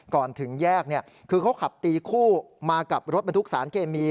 ก่อนถึงแยกคือเขาขับตีคู่มากับรถบรรทุกสารเคมี